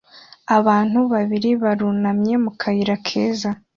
Abantu babiri barunamye mu kayira keza